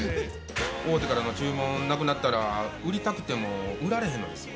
大手からの注文なくなったら売りたくても売られへんのですわ。